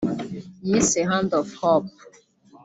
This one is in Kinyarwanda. yise ‘’Hand Of Hope’’